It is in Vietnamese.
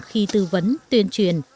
khi tư vấn tuyên truyền